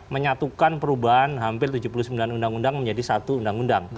menyatukan perubahan hampir tujuh puluh sembilan undang undang menjadi satu undang undang